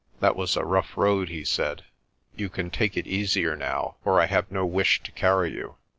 "That was a rough road," he said. "You can take it easier now, for I have no wish to carry you."